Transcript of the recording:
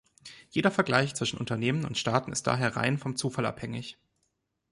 Jeder Vergleich zwischen Unternehmen und Staaten ist daher rein vom Zufall abhängig.